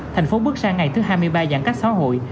thành phố bước sang ngày thứ hai mươi ba giãn cách xã hội